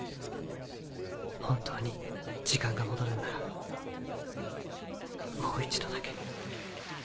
本当に時間が戻るんならもう一度だけ。